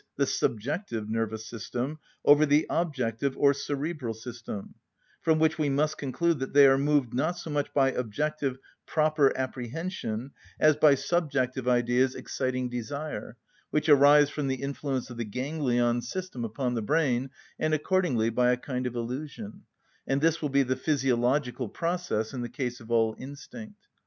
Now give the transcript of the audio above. _, the subjective nervous system, over the objective or cerebral system; from which we must conclude that they are moved, not so much by objective, proper apprehension as by subjective ideas exciting desire, which arise from the influence of the ganglion system upon the brain, and accordingly by a kind of illusion; and this will be the physiological process in the case of all instinct.